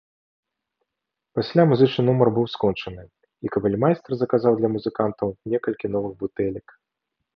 Пасля музычны нумар быў скончаны, і капельмайстар заказаў для музыкантаў некалькі новых бутэлек.